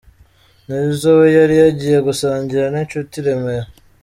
Nizzo we yari yagiye gusangira n’inshuti i Remera.